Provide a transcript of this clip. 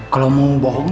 kalau mau bohong